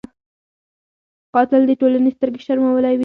قاتل د ټولنې سترګې شرمولی وي